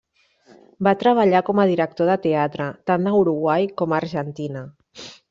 Va treballar com a director de teatre tant a Uruguai com a Argentina.